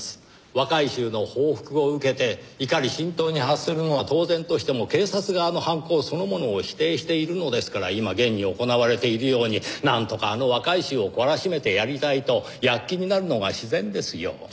若い衆の報復を受けて怒り心頭に発するのは当然としても警察側の犯行そのものを否定しているのですから今現に行われているようになんとかあの若い衆を懲らしめてやりたいと躍起になるのが自然ですよ。